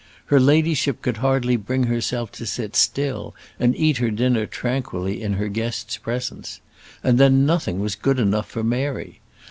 Her ladyship could hardly bring herself to sit still and eat her dinner tranquilly in her guest's presence. And then nothing was good enough for Mary.